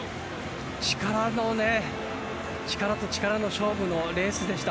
力と力の勝負のレースでした。